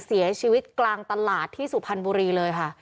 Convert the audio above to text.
เสียชีวิตกลางตลาดที่สุพรรณบุรีเลยค่ะ